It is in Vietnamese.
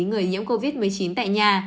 người nhiễm covid một mươi chín tại nhà